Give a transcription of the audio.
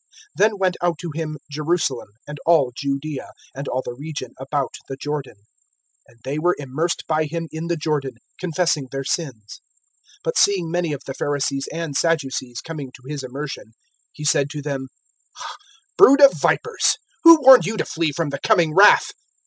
(5)Then went out to him Jerusalem, and all Judaea, and all the region about the Jordan; (6)and they were immersed by him in the Jordan, confessing their sins. (7)But seeing many of the Pharisees and Sadducees coming to his immersion, he said to them: Brood of vipers, who warned you to flee from the coming wrath?